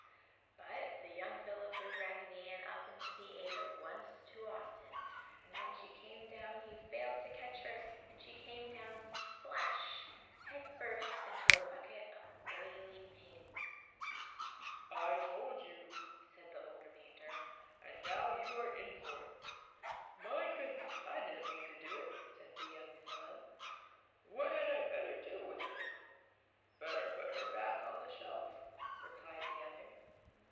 But the young fellow threw Raggedy Ann up into the air once too often and when she came down he failed to catch her and she came down splash, head first into a bucket of oily paint. "I told you!" said the older painter, "and now you are in for it!" "My goodness! I didn't mean to do it!" said the young fellow, "What had I better do with her?" "Better put her back on the shelf!" replied the other.